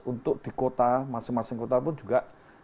untuk di kota masing masing kota pun juga